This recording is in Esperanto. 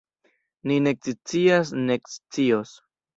Ni nek scias nek scios.